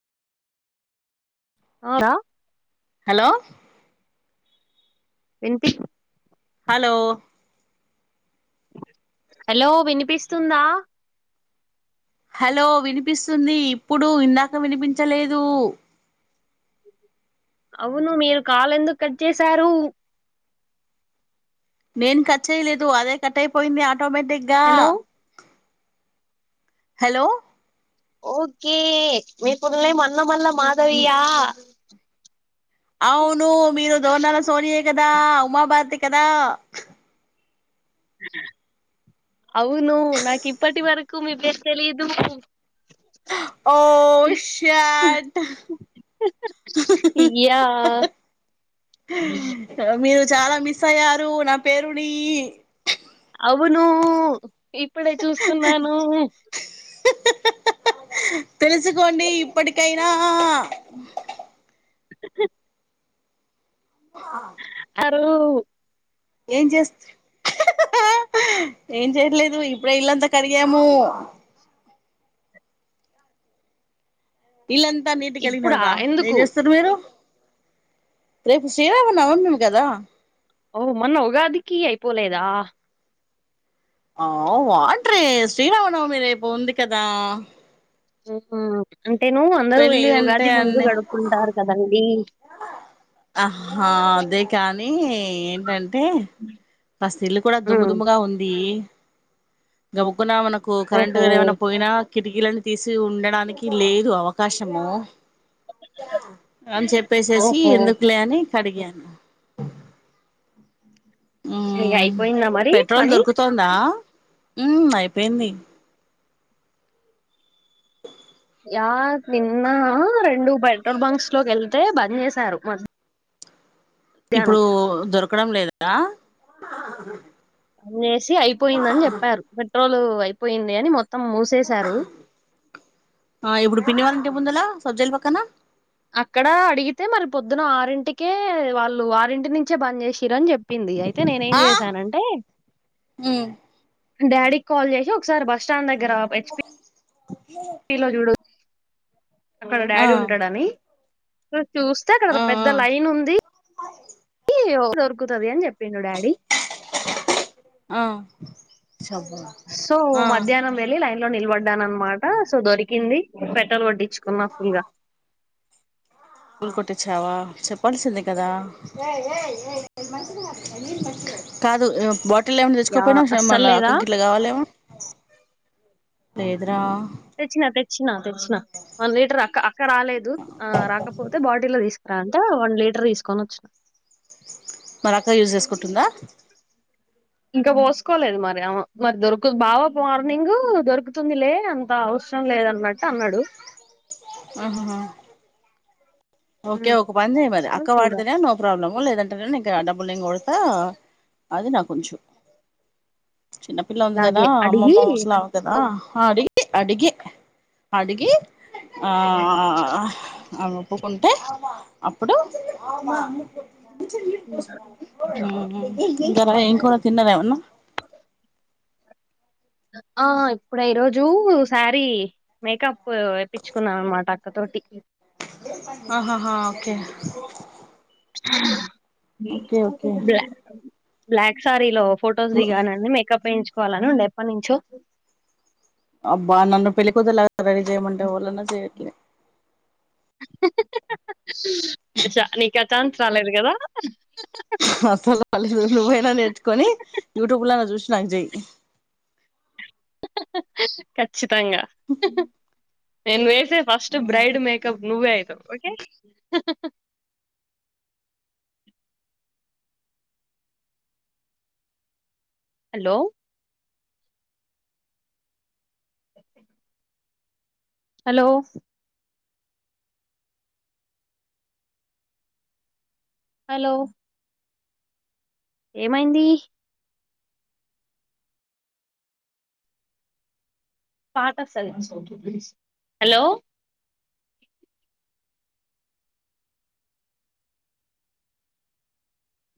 ఆ క హలో వినిపి హలో హలో వినిపిస్తుందా హలో వినిపిస్తుంది ఇప్పుడు ఇందాక వినిపించలేదు అవును మీరు కాల్ ఎందుకు కట్ చేసారు నేను కట్ చేయలేదు అదే కట్ అయిపోయింది ఆటోమేటిక్గా హలో హలో ఓకే మీ ఫుల్ నేమ్ అన్న మల్ల మాధవియా అవును మీరు దోనాల సోనియే కదా ఉమాభారతి కదా అవును నాకు ఇప్పటి వరకు మీ పేరు తెలీదు ఓ షట్ యా మీరు చాలా మిస్ అయ్యారు నా పేరుని అవును ఇప్పుడే చూస్తున్నాను తెలుసుకోండి ఇప్పటికైనా ఆ తరు ఏం చేస్త ఏం చేయట్లేదు ఇప్పుడే ఇల్లంతా కడిగాము ఇల్లంతా నీటుగా ఇప్పుడా కడిగినంరా ఏం ఎందుకు చేస్తుర్రు మీరు రేపు శ్రీరామనవమి కదా ఓ మొన్న ఉగాదికి అయిపోలేదా ఓ వాట్ రే శ్రీరామనవమి రేపు ఉంది కదా అంటే నువ్వు అందరూ ఏ పెళ్ళి అంటే ఉగాది ముందు అన్ని కడుక్కుంటారు కదండీ ఆహా అదే కానీ ఏంటంటే ఫస్ట్ ఇల్లు కూడా దుమ్ము ఉమ్, దుమ్ముగా ఉంది గబుక్కున మనకు కరెంట్ ఓహో గానీ ఏమైనా పోయినా కిటికీలన్నీ తీసి ఉండడానికి లేదు అవకాశము అని చెప్పేసేసి ఓహో ఎందుకు అనీ కడిగాను ఇగ అయిపోయిందా మరి పెట్రోల్ పని దొరుకుతుందా హ్మ్ అయిపోయింది యా నిన్న రెండు పెట్రోల్ బంక్స్ లోకి వెళ్తే బంద్ చేసారు ఇప్పుడు దొరకడం లేదా బంద్ చేసి అయిపోయిందని చెప్పారు పెట్రోల్ అయిపోయింది అని మొత్ ఆ ఇప్పుడు పిన్ని వాళ్ళ ఇంటి ముందలా సజ్జల పక్కన అక్కడ అడిగితే మరి పొద్దున ఆరింటికే వాళ్ళు ఆరింటి నుంచే బంద్ చేసిరని చెప్ ప్పింది అయితే నేనేం ఆ చేశానంటే మ్మ్ డాడీకి కాల్ చేసి ఒకసారి బస్ స్టాండ్ దగ్గర హెచ్పి లో చూడు అక్కడ ఆ డాడీ ఉంటాడని చూస్తే అక్కడ ఆ పెద్ద ఆ లైన్ ఉంది దొరుకుతది అని చెప్పిండు డాడీ ఆ షబ్బ ఆ క్యూలో నిలబడ్డాననమాట సో దొరికింది పెట్రోల్ కొట్టించుకున్న ఫుల్ గా ఫుల్ కొట్టిచ్చావా చెప్పాల్సింది కదా కాదు బాట్ టిల్లో ఏమనా యా తెచ్చుకోకపోయినావ అస్సలు మన లేదా అక్క గిట్లా కావాలెమో తెచ్చినా తెచ్చినా తెచ్చినా వన్ లీటర్ అక్క అక్క రాలేదు ఆ రాకపోతే బాటిల్లో తీసు [unintelligible] వన్ లీటర్ తీసుకొని వచ్చిన మరి అక్క యూజ్ చేసుకుంటుందా ఇంకా పోసుకోలేదు మరి ఆమె దొరుకు బావకు మార్నింగ్ దొరుకుతుందిలే అంత అవ సరం లేదన్నట్టు అన్నడు అహ్ హా ఓకే ఉమ్. ఒక పని చేయి మరి సో అక్క చూడ వాడితేనే నో ప్రాబ్లమ్ లేదంటే నీకు డబ్బులు నేను కొడు తా అది నాకు ఉంచు చిన్నపిల్ల ఉంది కదా అలాగే అడిగి అమ్మమ్మ ముసలామే కదా ఆ అడి అడిగి అడిగి ఆ ఆమెకు ఉంటే అప్పుడు ఉహూ ఇంకా రా ఏం కూర తిన్నారా ఏమన్నా ఆ ఇప్పుడు ఈ రోజు శారీ మేకప్ తెప్పించుకున్నా అనమాట అక్కతో టి ఆహాహా ఓకే ఓకే ఓకే బ్లా బ్లాక్ సారీలో ఫొటోస్ దిగాలని మేకప్ వేయించుకోవాలని ఉండే ఎప్పటి నుంచో అబ్బా నన్ను పెళ్ళికూతురిలా రెడీ చేయమంటే నుంచో ఎవలన్న చేయట్లే చా నీకు ఆ ఛాన్స్ రాలేదు కదా [unintelligible] నువ్వైనా నేర్చుకొని యూట్యూబ్ లో చూసి నాకు చేయి, ఖచ్చితంగా నేను వేసి ఫస్ట్ బ్రైడ్ మేకప్ నువ్వే అయితావు ఓకే హలో [unintelligible] హలో హలో ఏమైంది పాట వస్తాది హలో